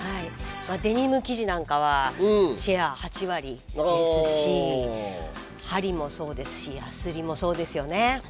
デニム生地なんかはシェア８割ですし針もそうですしやすりもそうですよね。